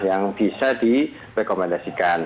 yang bisa di rekomendasikan